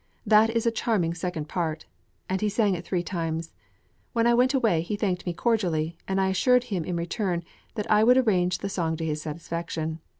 That is a charming second part," and he sang it three times. When I went away, he thanked me cordially, and I assured him in return that I would arrange the song to his satisfaction.